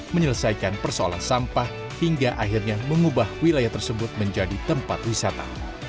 menyelesaikan persoalan sampah hingga akhirnya mengubah wilayah tersebut menjadi tempat wisata